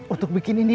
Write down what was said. untuk bikin ini